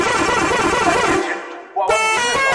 瓜拉雪兰莪县的县城和县府皆为瓜拉雪兰莪。